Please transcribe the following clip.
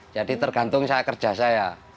jadi tergantung kerja saya